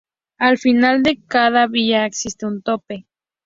Al final de cada vía existe un tope.